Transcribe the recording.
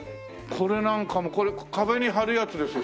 これなんかも壁に貼るやつですよ